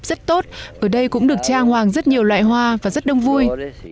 rất tốt ở đây cũng được trang hoàng rất nhiều loại hoa và rất đông vui